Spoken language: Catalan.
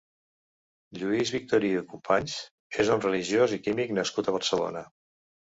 Lluís Victori i Companys és un religiós i químic nascut a Barcelona.